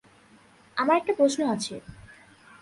আমার একটা প্রশ্ন আছে।